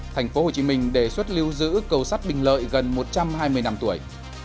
thành phố hồ chí minh đề xuất lưu giữ cầu sát bình lợi gần một trăm hai mươi năm tuổi